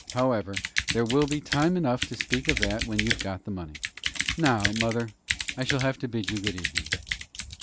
However, there will be time enough to speak of that when you've got the money. Now, mother, I shall have to bid you good evening."